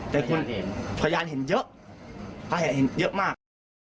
แต่พยานเห็นเยอะเขาเห็นเยอะมาก